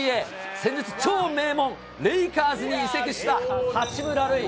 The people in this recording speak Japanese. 先日、超名門、レイカーズに移籍した八村塁。